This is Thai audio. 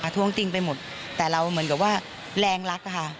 ท้วงติงไปหมดแต่เราเหมือนกับว่าแรงรักค่ะ